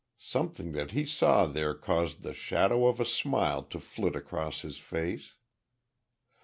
Something that he saw there caused the shadow of a smile to flit across his face.